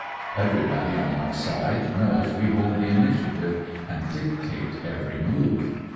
Everybody on our side knows we hold the initiative and dictate every move.